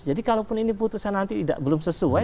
jadi kalaupun ini putusan nanti belum sesuai